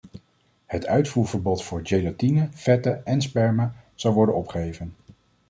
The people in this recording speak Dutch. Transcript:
Het uitvoerverbod voor gelatine, vetten en sperma zal worden opgeheven.